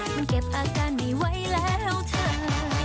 มันเก็บอาการไม่ไหวแล้วเธอ